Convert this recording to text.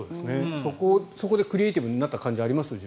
そこでクリエーティブになった感じがありますか。